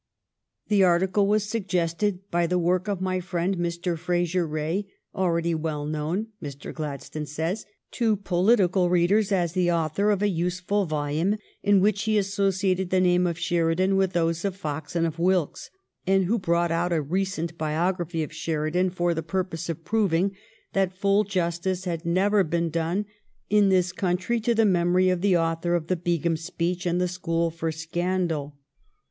The article was suggested by the work of my friend, Mr. Fraser Rae, "already well known," Mr. Gladstone says, " to political readers as the author of a useful volume in which he associated the name of Sheridan wath those of Fox and of Wilkes," and who brought out a recent biography of Sheridan for the purpose of proving that full justice had never been done in this country to the memory of the author of the " Begum Speech " and the "School for Scandal."